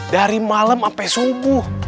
dari malam sampai subuh